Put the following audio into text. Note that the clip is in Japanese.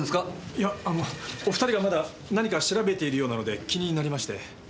いやあのお２人がまだ何か調べているようなので気になりまして。